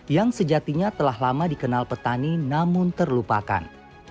yang sejatinya telah lama dikenal petani namun terlupakan